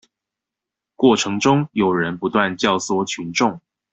過程中有人不斷教唆群眾